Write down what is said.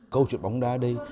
câu chuyện bóng đá đây